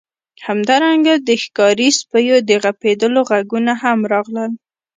همدارنګه د ښکاري سپیو د غپیدلو غږونه هم راغلل